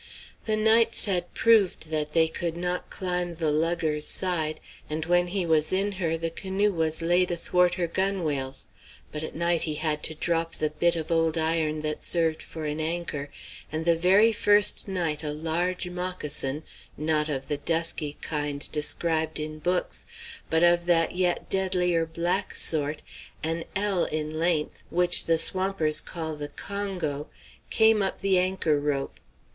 The nights had proved that they could not climb the lugger's side, and when he was in her the canoe was laid athwart her gunwales; but at night he had to drop the bit of old iron that served for an anchor, and the very first night a large moccasin not of the dusky kind described in books, but of that yet deadlier black sort, an ell in length, which the swampers call the Congo came up the anchor rope.